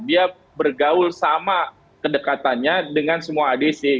dia bergaul sama kedekatannya dengan semua adc